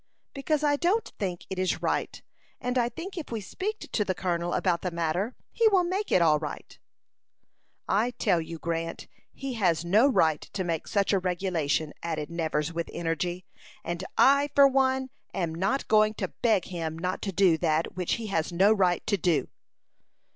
"Because I don't think it is right; and I think if we speak to the colonel about the matter, he will make it all right." "I tell you, Grant, he has no right to make such a regulation," added Nevers, with energy; "and I, for one, am not going to beg him not to do that which he has no right to do."